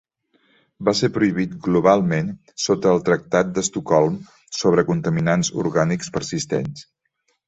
Va ser prohibit globalment sota el tractat d'Estocolm sobre contaminants orgànics persistents.